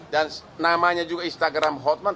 dan namanya juga instagram hotman